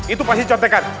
itu pasti contekan